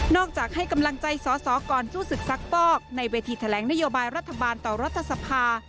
จากให้กำลังใจสอสอก่อนสู้ศึกซักฟอกในเวทีแถลงนโยบายรัฐบาลต่อรัฐสภา